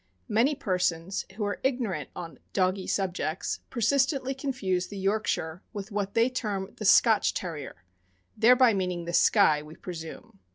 Many persons who are ignorant on " doggy " subjects persistently confuse the Yorkshire with what they term the "Scotch Terrier," thereby meaning the Skye, we presume.